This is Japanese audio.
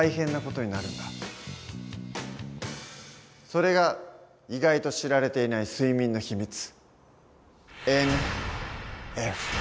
それが意外と知られていない睡眠のひみつ。